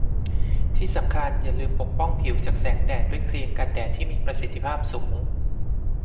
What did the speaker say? ที่สำคัญอย่าลืมปกป้องผิวจากแสงแดดด้วยครีมกันแดดที่มีประสิทธิภาพสูง